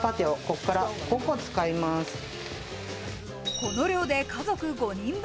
この量で家族５人分。